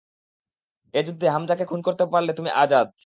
এ যুদ্ধে হামযাকে খুন করতে পারলে তুমি আযাদ।